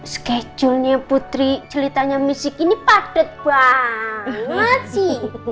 schedulenya putri celitanya miss gigi ini padet banget sih